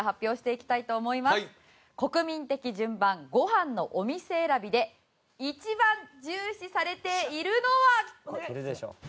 国民的順番ご飯のお店選びで一番重視されているのは。